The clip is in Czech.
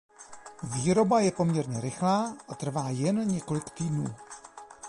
Výroba je poměrně rychlá a trvá „jen“ několik týdnů.